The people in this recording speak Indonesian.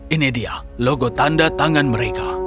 ini dia logo tanda tangan mereka